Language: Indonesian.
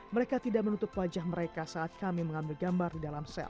mereka tidak menutup wajah mereka saat kami mengambil gambar di dalam sel